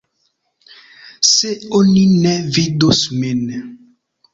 Se oni ne vidus min.